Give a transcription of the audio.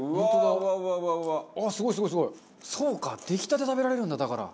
そうか出来たて食べられるんだだから。